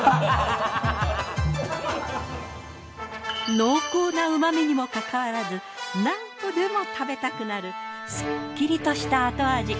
濃厚な旨みにもかかわらず何度でも食べたくなるすっきりとした後味。